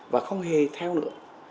và không hề theo nữa